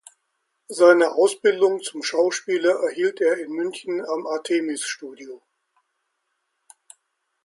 Seine Ausbildung zum Schauspieler erhielt er in München am Artemis Studio.